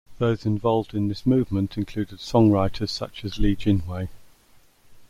Those involved in this movement included songwriters such as Li Jinhui.